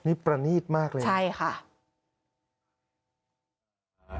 นี่ประนีดมากเลยนะครับใช่ค่ะ